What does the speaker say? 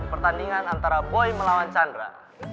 pertandingan antara boy melawan chandra